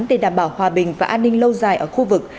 để đảm bảo hòa bình và an ninh lâu dài ở khu vực